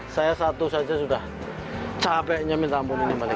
saya satu saja sudah capeknya minta ampun ini balik